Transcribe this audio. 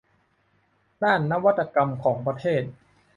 ด้านนวัตกรรมของประเทศ